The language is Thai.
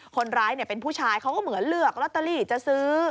คนร้ายเป็นผู้ชายเขาก็เหมือนเลือกลอตเตอรี่จะซื้อ